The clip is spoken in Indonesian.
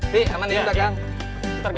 bi aman diam dagang